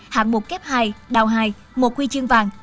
hạng mục kép hai đào hai một huy chương vàng